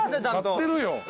買ってるよ。